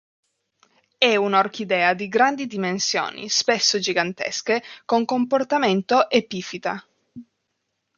È un'orchidea di grandi dimensioni, spesso gigantesche, con comportamento epifita.